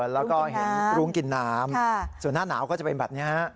แล้วก็เห็นรุ้งกินน้ำส่วนหน้าหนาวก็จะเป็นแบบนี้ฮะ